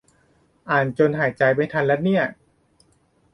อ่านจนหายใจไม่ทันละเนี่ย